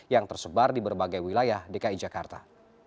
yang tersebar di berbagai wilayah dki jakarta